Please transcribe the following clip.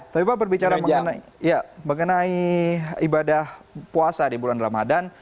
tapi pak berbicara mengenai ibadah puasa di bulan ramadan